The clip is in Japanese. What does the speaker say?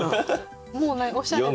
もうねおしゃれ。